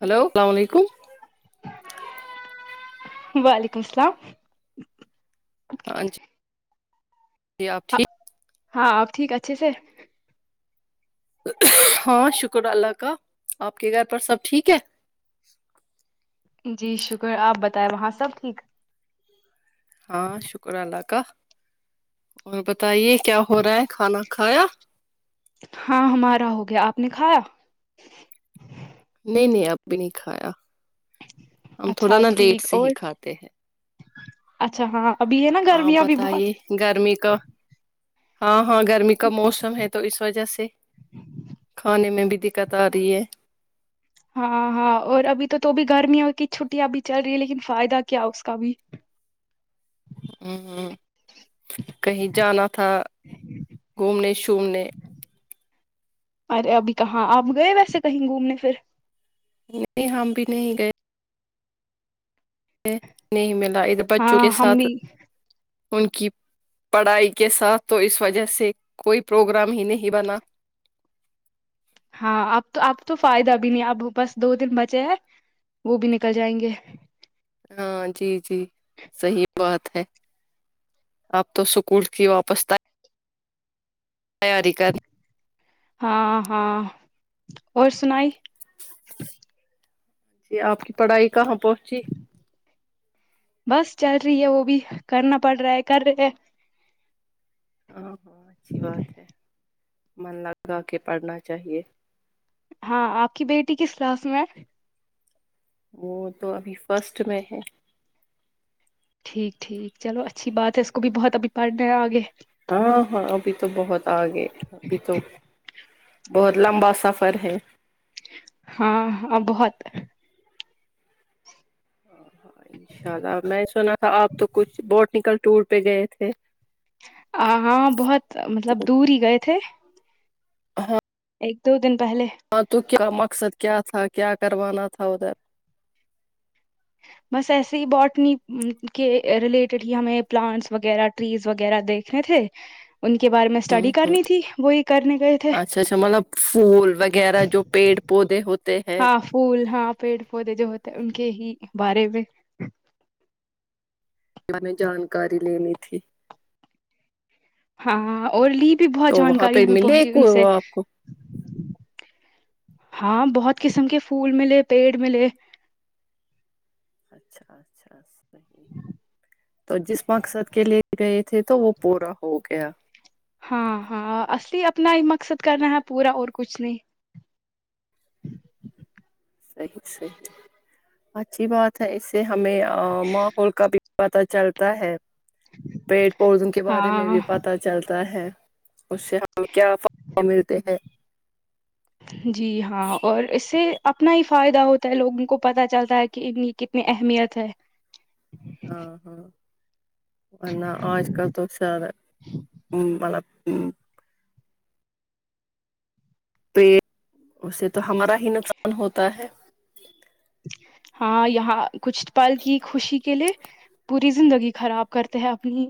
hello السل علیکم وعلیکم السلام ہاں جی جی آپ ٹھیک ہاں اپ ٹھیک اچھے سے ہاں شکر اللہ کا آپ کے گھر پر سب ٹھیک ہے جی شکر آپ بتائیں وہاں سب ٹھیک ہاں شکر اللہ کا اور بتائیے کیا ہو رہا ہے کھانا کھایا ہاں ہمارا ہو گیا آپ نے کھایا نہیں نہیں اب بھی نہیں کھایا ہم تھوڑا اچھا نا لیٹ ٹھیک سے ہی اور کھاتے ہیں اچھا ہاں ابھی ہے نا آپ گرمیاں بھی بہت بتائیے گرمی کا ہاں ہاں گرمی کا موسم ہے تو اس وجہ سے کھانے میں بھی دقت آ رہی ہے ہاں ہاں اور ابھی تو تو بھی گرمیوں کی چھٹیاں اب چل رہی ہے لیکن فائدہ کیا اس کا بھی امم امم کہیں جانا تھا گھومنے شومنے ارے ابھی کہاں آپ گئے ویسے کہیں گھومنے پھر نہیں ہم بھی نہیں گئے نہیں ملا ادھر بچوں کے ہاں ہم ساتھ بھی ان کی پڑھائی کے ساتھ تو اس وجہ سے کوئی پروگرام ہی نہیں بنا ہاں اب تو آب تو فائدہ بھی نہیں اب بس دو دن بچے ہیں وہ بھی نکل جائیں گے ہاں جی جی صحیح بات ہے آپ تو اسکول کی واپس تیا تیاری کر ہاں ہاں اور سنائی جی آپ کی پڑھائی کہاں پہنچی بس چل رہی ہے وہ بھی کرنا پڑ رہا ہے کر رہے ہیں ہاں ہاں اچھی بات ہے من لگا کے پڑھنا چاہیے ہاں آپ کی بیٹی کس کلاس میں ہے وہ تو ابھی فرسٹ میں ہے ٹھیک ٹھیک چلو اچھی بات ہے اس کو بھی بہت ابھی پڑھنے ہے آگے ہاں ہاں ابھی تو بہت آ گے ابھی تو بہت لمبا سفر ہے ہاں بہت انشاء اللہ میں سنا تھا آپ تو کچھ بوٹینکل ٹور پہ گئے تھے ہاں بہت مطلب تو دور ہی گئے تھے ایک دو دن پہلے ہاں تو کیا مقصد کیا تھا کیا کروانا تھا ادھر بس ایسے ہی باٹنی کے ریلیٹڈ ہی ہمیں پلانٹس وغیرہ ٹریز وغیرہ دیکھنے تھے ان کے بارے میں ہ اسٹڈی ہ کرنی تھی وہی کرنے گئے تھے اچھا اچھا مطلب پھول وغیرہ جو پیٹ پودے ہوتے ہیں ہاں پھول ہاں پیڑ پودے جو ہوتے ہیں ان کے ہی بارے میں ہمیں جانکاری لینی تھی ہاں اور لی بھی بہت تو وہاں جانکاری پہ ہمیں ملے پہنچی بھی ان سے وہ آپ کو ہاں بہت قسم کے پھول ملے پیڑ ملے اچھا اچھا صحیح او جس مقصد کے لیے گئے تھے تو وہ پورا ہو گیا ہاں ہاں اصلی اپنا ہی مقصد کرنا ہے پورا اور کچھ نہیں صحیت صحیت اچھی بات ہ اس سے ہمیں ماحول کا بھی پتا چلتا ہے پیڑ پودوں کے بارے میں ہاں بھی پتا چلتا ہے اس سے ہمیں کیا فائ ملتے ہیں [unintelligible] جی ہاں اور اس سے اپنا ہی فائدہ ہوتا ہے لوگوں کو پتا چلتا ہے کہ ہوں کتنی اہمیت ہے ہاں ہاں انا اج کل توسا دہ مطب ہوں تے اس سے تو ہمارا ہی نقصان ہوتا ہے ہاں یہاں کچھ پل کی خوشی کے لیے پوری زندگی خراب کرتے ہیں اپنی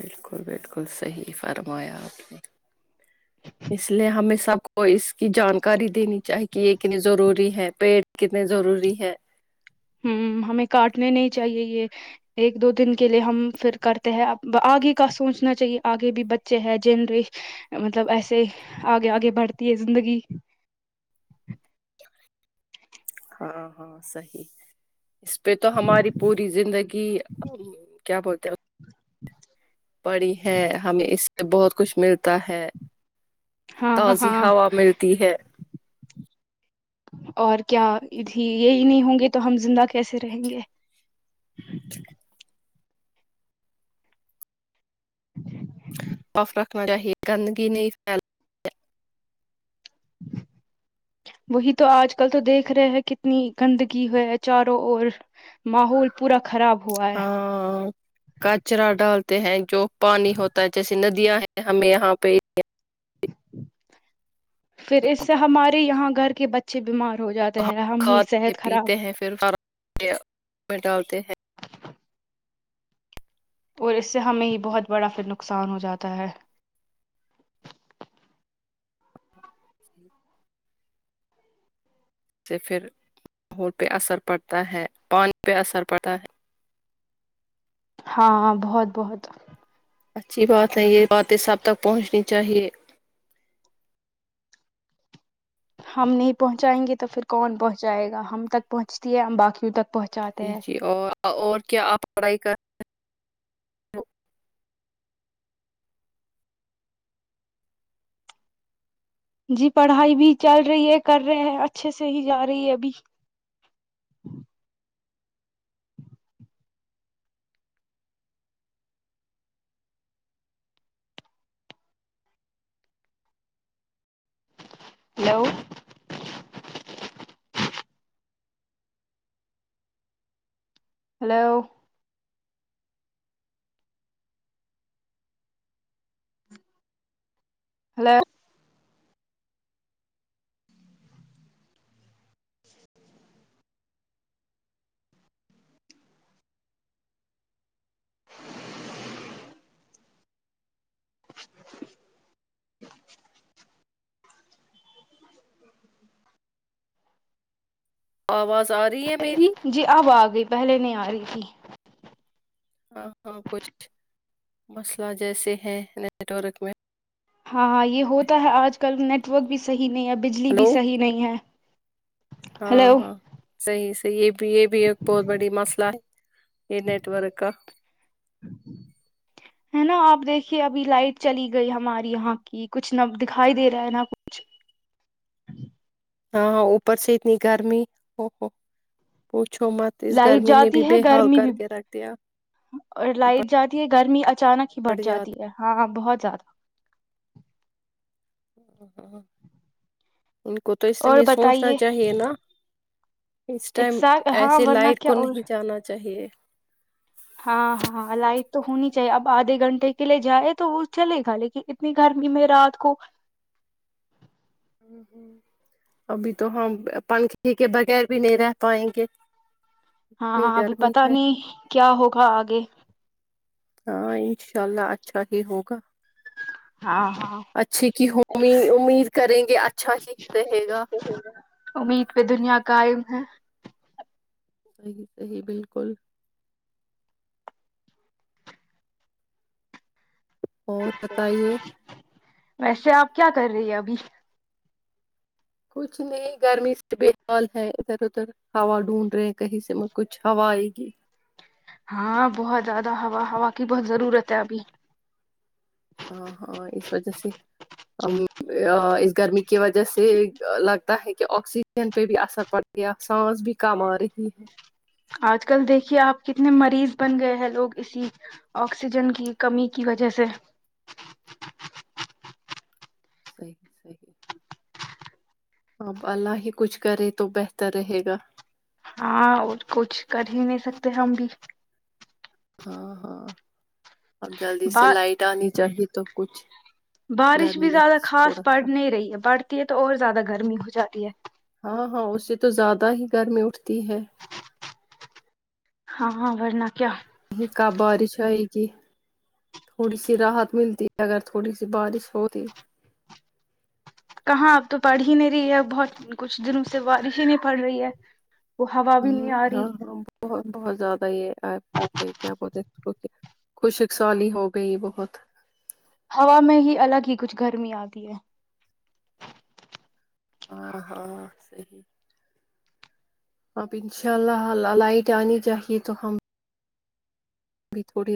بالکل بالکل صحیح فرمایا آپ نے اس لیے ہمیں سب کو کو اس کی جانکاری دینی چاہی کہ یہ کتنے ضروری ہے پیڑ کتنے ضروری ہے ہم ہمیں کاٹنے نہیں چاہیے یہ ایک دو دن کے لیے ہم پھر کر اب آگے کا سوچنا چاہیے آگے بھی بچے ہیں جنریش [unintelligible] ہ مطلب ایسے آگے آگے بڑھتی ہے زندگی ہاں ہاں صحیح اس پہ تو ہماری پوری زندگی کیا بولتے [inaudible] پڑی ہے ہمیں اس سے بہت کچھ ملتا ہے ہاں تازی ہاں ہوا ملتی ہے اور کیا اھی یہی نہیں ہوں گے تو ہم زندہ کیسے رہیں گے [inaudible] [inaudible] جی صاف رکھنا چاہیے گندگی نہیں فھیل ج وہی تو آج کل تو دیکھ رہے ہیں کتنی گندگی ہے چاروں اور ماحول پورا خراب ہوا ہے ہاں کچرا ڈالتے ہیں جو پانی ہوتا ہے جیسے ندیاں ہیں ہمیں یہاں پہ [unintelligible] پھر اس سے ہمارے یہاں گھر کے بچے بیمار ہو جات ہم ہی صحت خراب [unintelligible] ہیں فر فهر یہ میں ڈالتے ہیں اور اس سے ہمیں ہی بہت بڑا پھر نقصان ہو جاتا ہے جٹھ [inaudible] سے پھر ماحول پہ اثر پڑتا ہے پانی پہ اثر پڑتا ہے [unintelligible] ہاں ہاں بہت بہت اچھی بات ہے یہ باتیں سب تک پہنچنی چاہیے ہم نہیں پہنچائیں گے تو پھر کون پہنچائے گا ہم تک پہنچتی ہے ہم باقی تک پہنچاتے جی ہیں جی اور اور کیا آپ پڑھائی کر جی پڑھائی بھی چل رہی ہے کر رہے ہیں اچھے سے ہی جا رہی ہے ابھی ہیلو ہیلو ہیلو آواز آ رہی ہے میری ہلو جی اب آ گئی پہلے نہیں آ رہی تھی ہاں ہاں کچھ مسئلہ جیسے ہیں نیٹورک میں ہاں ہاں یہ ہوتا ہے آج کل نیٹورک بھی صحیح نہیں اب بجلی بھی ہلو صحیح نہیں ہے ہاں ہیلو ہاں صحیح صحیح یہ بھی یہ بھی ایک بہت بڑی مسئلہ ہے یہ نیٹورک کا ہے نا آپ دیکھیے ابھی لائٹ چلی گئی ہماری یہاں کی کچھ نہ دکھائی دے رہا ہے نا کچھ ہاں ہاں اوپر سے اتنی گرمی ا پوچھو مت لائٹ گرمی نے بھی جاتی ہے بے حال گرمی کر بھی کے رکھ دیا اور لائٹ جاتی ہے گرمی اچانک ہی بڑھ جاتی ہے ہاں بہت زیادہ ان کو تو اس اور سمے سوچنا بتائیے چاہیے نا اس ٹائم ایکزیکٹ ہاں ایسیے ورنہ لائٹ کیا کو اور نہیں جانا چاہیے ہاں ہاں لائٹ تو ہونی چاہیے اب آدھے گھنٹے کے لیے جائے تو وہ چلے گا لیکن اتنی گرمی میں رات کو ابھی تو ہم پنکھے کے بغیر بھی نہیں رہ پائیں گے اتنی ہاں ابھی گرمی پتہ ہے نہیں کیا ہوگا آگے ہاں انشاء اللہ اچھا ہی ہوگا ہاں ہاں اچھی کی ہو امید کریں گے اچھا ہی رہے گا امید پہ دنیا قائم ہے صحیح بالکل اور بتائیے ویسے آپ کیا کر رہی ہیں ابھی کچھ نہیں گرمی سے بیحال ہے ادھر ادھر ہوا ڈھونڈ رہے ہیں کہیں سے میں کچھ ہوا آئے گی ہاں بہت زیادہ ہوا ہوا کی بہت ضرورت ہے ابھی ہاں ہاں اس وجہ سے اس گرمی کی وجہ سے لگتا ہے کہ آکسی پہ بھی اثر پڑ گیا ہے سانس بھی کم آرہی ہے آج کل دیکھیے آپ کتنے مریض بن گئے ہیں لوگ اسی آکسیجن کی کمی کی وجہ سے [unintelligible] اللہ ہی کچھ کرے تو بہتر رہے گا ہاں اور کچھ کر ہی نہیں سکتے ہم بھی ہاں ہاں اب جلدی سے با لائٹ آنی چاہیے تو کچھ بارش گرمی بھی میں زیادہ تھوڑا خاص پڑ سا نہیں رہی ہے بڑھتی ہے تو اور زیادہ گرمی ہو جاتی ہے ہاں ہاں اس سے تو زیادہ ہی گرمی اٹھتی ہے ہاں ہاں ورنہ کیا کب بارش آئیگی تھوڑی سی راحت ملتی ہے اگر تھوڑی سی بارش ہوتی کہاں اب تو پڑھ ہی نہیں رہی ہے بہت کچھ دنوں سے بارش ہی نہیں پڑ رہی ہے وہ ہوا بھی ہمم نہیں آ رہی ہاں ہاں بہت بہت زیادہ یے ایپ پے کیا بولتے اوکے خوش اکسالی ہو گئی بہت ہوا میں ہی الگ ہی کچھ گرمی آتی ہے آ ہاں صحیح اب ان شاء اللہ لائٹ آنی چاہیے تو ہم بھی تھوڑی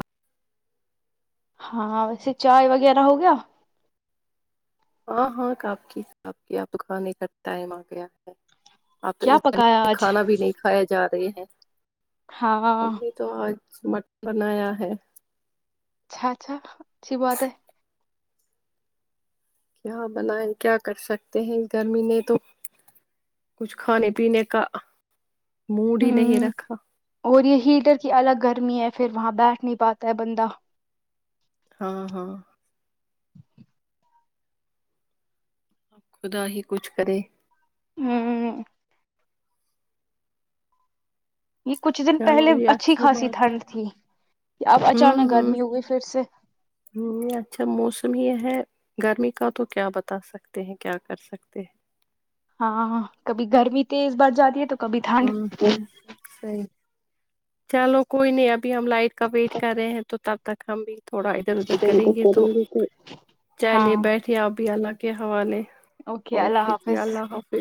ہاں ویسے چائے وغیرہ ہو گیا ہاں ہاں کپ کی کپ کی اب تو کھانے کا ٹائم آگیا اب تو کیا اس پکایا [unintelligible] آج کھانا بھی نہیں کھائے جا رہے ہیں ہاں ہم نے تو آج مٹن بنایا ہے اچھا اچھا اچھی بات ہے کیااں بناائے کیا کر سکتے ہیں گرمی میں تو کچھ کھانے پینے کا موڈ ہی نہیں ہوں رکھا اور یہ ہیٹر کی الگ گرمی ہے پھر وہاں بیٹھ نہیں پاتا ہے بندہ ہاں ہاں خدا ہی کچھ کرے ہمم یے کچھ دن چلو پہلے یہ اچھی خاصی بات ٹھنڈ تھی کی اب اچانک گرمی ہوگئی پھر سے ہمم اچھا موسم یے ہے گرمی کا تو کیا بتا سکتے ہیں کیا کر سکتے ہیں ہاں ہاں کبھی گرمی تیز بڑھ جاتی ہے تو کبھی ٹھنڈ آمم ہمم سہی چلو کوئی نہیں ابھی ہم لائٹ کا ویٹ کر رہے ہیں تو تب تک ہم بھی تھوڑا ادھر ادھر کریں گے تو ہاں چلے بیٹھے اپ بھی اللہ کے حوالے اللہ اوکے ثھر حافظ اللہ حافظ